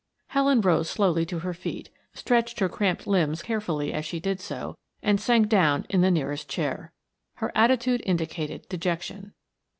Helen rose slowly to her feet, stretching her cramped limbs carefully as she did so, and sank down in the nearest chair. Her attitude indicated dejection.